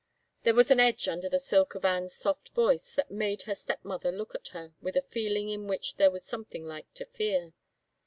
There was an edge under the silk of Anne*s soft voice that made her stepmother look at her with a feeling in which there was something like to fear.